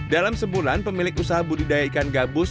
dalam sebulan pemilik usaha budidaya ikan gabus